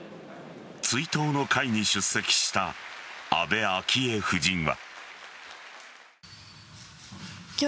追悼の会に出席した安倍昭恵夫人は。